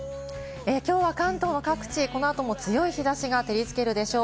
今日は関東各地、このあとも強い日差しが照りつけるでしょう。